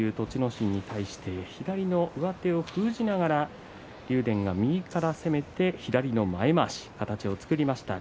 心に対して左の上手を封じながら竜電が右から攻めて左の前まわし形を作りました。